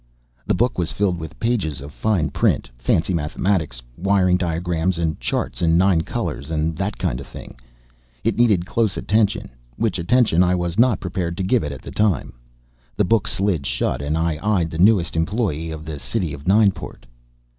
The book was filled with pages of fine print, fancy mathematics, wiring diagrams and charts in nine colors and that kind of thing. It needed close attention. Which attention I was not prepared to give at the time. The book slid shut and I eyed the newest employee of the city of Nineport.